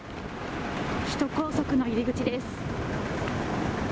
首都高速の入り口です。